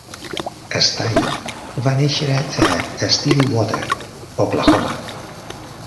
Stine va néixer a Stillwater, Oklahoma.